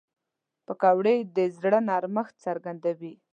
پکورې د زړه نرمښت څرګندوي